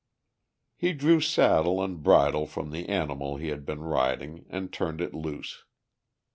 He drew saddle and bridle from the animal he had been riding and turned it loose.